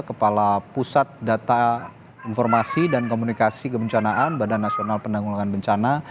kepala pusat data informasi dan komunikasi kebencanaan badan nasional penanggulangan bencana